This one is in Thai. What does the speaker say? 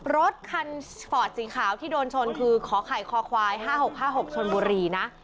รถคันสปอร์ตสีขาวที่โดนชนคือขอไข่คอควาย๕๖๕๖ชนบุรีนะ